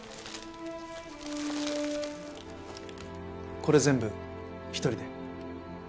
これ全部一人で？